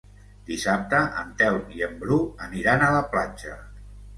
Dissabte en Telm i en Bru aniran a la platja.